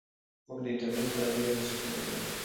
موږ د انټرنیټ له لارې نوي فرصتونه پیدا کوو.